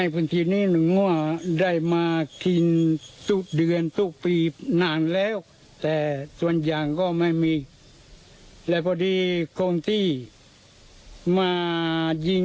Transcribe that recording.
พี่สุกสุกมันจะรู้แหละใครยิง